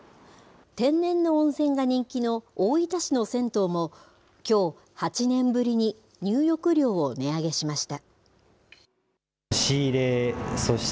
天然の温泉が人気の大分市の銭湯も、きょう、８年ぶりに入浴料を値上げしました。